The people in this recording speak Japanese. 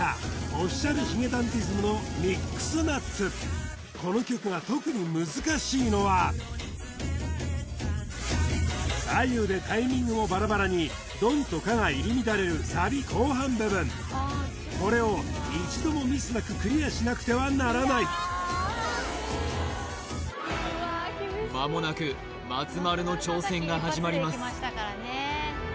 Ｏｆｆｉｃｉａｌ髭男ｄｉｓｍのこの曲が特に難しいのは左右でタイミングもバラバラに「ドン」と「カ」が入り乱れるサビ後半部分これを一度もミスなくクリアしなくてはならないまもなく松丸の挑戦が始まります